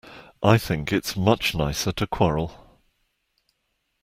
I think it's much nicer to quarrel.